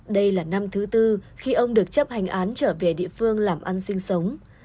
đây là năm thứ tư khi ông được chấp hành án trở về địa phương làm ăn sinh sống